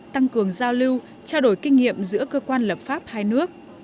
tăng cường giao lưu trao đổi kinh nghiệm giữa cơ quan lập pháp hai nước